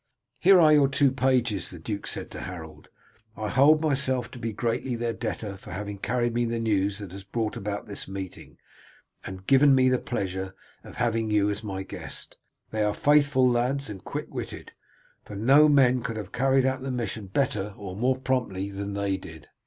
"Here are your two pages," the duke said to Harold. "I hold myself to be greatly their debtor for having carried me the news that has brought about this meeting, and given me the pleasure of having you as my guest. They are faithful lads and quick witted, for no men could have carried out the mission better or more promptly than they did."